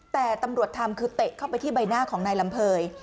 แต่ตำรวจทำคือเตะเข้าไปที่ใบหน้าของนายลำเภย